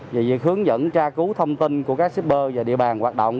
về việc hướng dẫn tra cứu thông tin của các shipper và địa bàn hoạt động